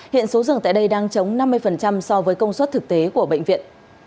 hiện số rừng tại đây đang chống năm mươi so với công suất thực tế của bệnh viện